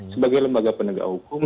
sebagai lembaga penegak hukum